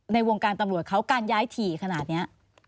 ในวงการตำรวจเขาการย้ายถี่ขนาดนี้